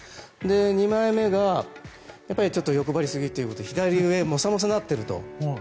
２枚目がちょっと欲張りすぎということで左上、モサモサになっていると。